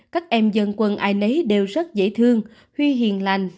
các em dân quân ai nấy đều rất dễ thương huy hiền lành